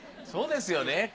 そうですよね。